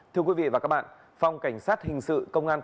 thưa quý vị và các bạn phòng cảnh sát hình sự công an tp hà nội